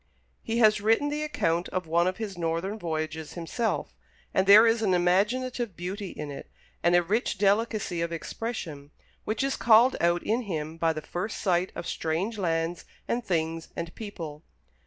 He has written the account of one of his northern voyages himself; and there is an imaginative beauty in it, and a rich delicacy of expression, which is called out in him by the first sight of strange lands and things and people.